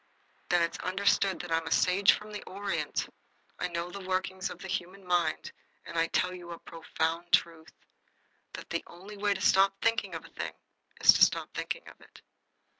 "Then it's understood that I'm a sage from the Orient. I know the workings of the human mind. And I tell you a profound truth: that the only way to stop thinking of a thing is to stop thinking of it.